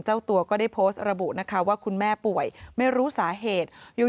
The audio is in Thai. เจ้าตัวก็ได้โพสต์ระบุนะคะว่าคุณแม่ป่วยไม่รู้สาเหตุ